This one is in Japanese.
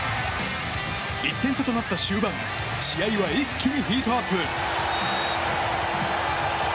１点差となった終盤試合は一気にヒートアップ。